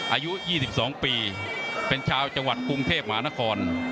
อายุ๒๒ปีเป็นชาวจังหวัดกรุงเทพมหานคร